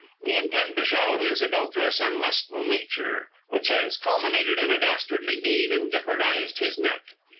We intend to show his adulterous and lustful nature, which has culminated in a dastardly deed and jeopardized his neck.